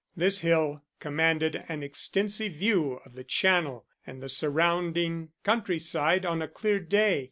This hill commanded an extensive view of the Channel and the surrounding country side on a clear day.